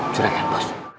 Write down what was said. sudah kan bos